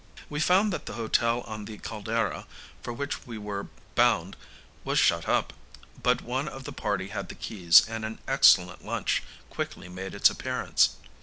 ] We found that the hotel on the Caldera for which we were bound was shut up; but one of the party had the keys, and an excellent lunch quickly made its appearance.